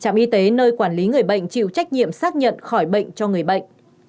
trạm y tế nơi quản lý người bệnh chịu trách nhiệm xác nhận khỏi bệnh cho người bệnh